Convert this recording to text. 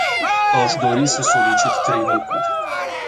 Aș dori să solicit trei lucruri.